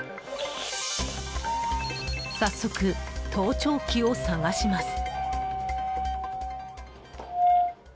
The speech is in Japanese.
早速、盗聴器を探します。